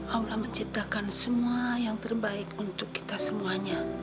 allah menciptakan semua yang terbaik untuk kita semuanya